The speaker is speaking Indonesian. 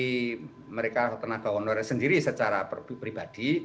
dari mereka tenaga honorer sendiri secara pribadi